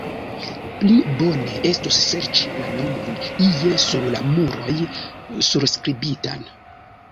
Pli bone estus serĉi la nomon ie sur la muroj surskribitan.